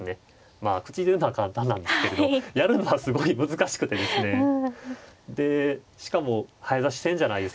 まあ口で言うのは簡単なんですけれどやるのはすごい難しくてですねでしかも早指し戦じゃないですか。